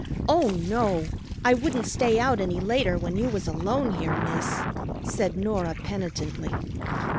"Oh, no, I wouldn't stay out any later when you was alone here, Miss," said Norah penitently.